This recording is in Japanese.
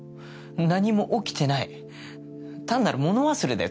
何も起きてない単なる物忘れだよ